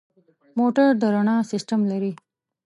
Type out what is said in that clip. موټر د رڼا سیستم لري.